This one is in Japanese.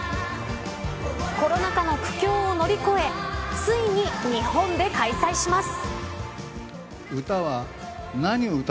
コロナ禍の苦境を乗り越えついに、日本で開催します。